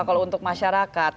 kalau untuk masyarakat